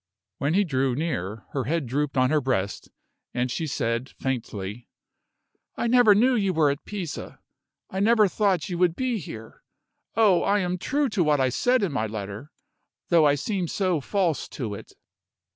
When he drew near, her head drooped on her breast, and she said, faintly: "I never knew you were at Pisa; I never thought you would be here. Oh, I am true to what I said in my letter, though I seem so false to it!"